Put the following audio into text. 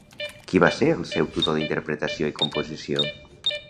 Qui va ser el seu tutor d'interpretació i composició?